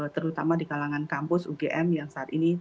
terutama di kalangan kampus ugm yang saat ini